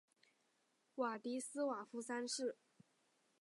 瓦迪斯瓦夫三世。